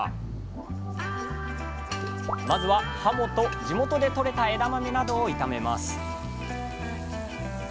まずははもと地元でとれた枝豆などを炒めます